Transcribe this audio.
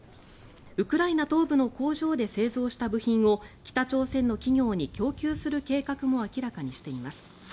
ウクライナ東部の工場で製造した部品を北朝鮮の企業に供給する計画も明らかにしています。